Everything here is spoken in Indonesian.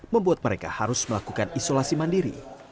membuat mereka harus melakukan isolasi mandiri